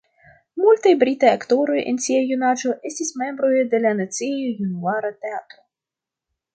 Multaj britaj aktoroj en sia junaĝo estis membroj de la Nacia Junula Teatro.